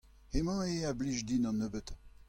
hemañ eo a blij din an nebeutañ.